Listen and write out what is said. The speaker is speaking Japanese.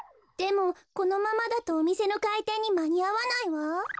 でもこのままだとおみせのかいてんにまにあわないわ。